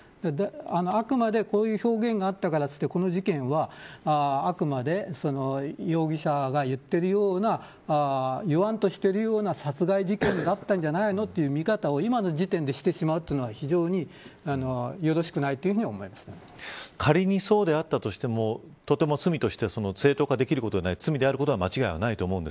あくまでこういう表現があったからといって、この事件は容疑者が言っているような言わんとしているような殺害事件だったんじゃないかという見方を今の時点でしてしまうというのは非常によろしくないというふうに仮にそうであったとしてもとても罪として、正当化できることではない。